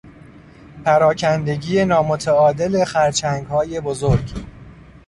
پراکندگی نامتعادل خرچنگهای بزرگ